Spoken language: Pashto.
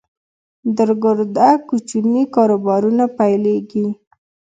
درګرده کوچني کاروبارونه پیلېږي